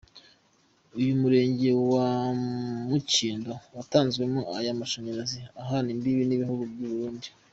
Uyu murenge wa Mukindo watanzwemo aya mashanyarazi uhana imbibi n'igihugu cy'Uburundi.